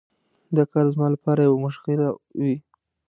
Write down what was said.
دا کار زما لپاره یوه مشغله وي.